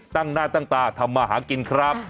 ตั้งหน้าตั้งตาทำมาหากินครับ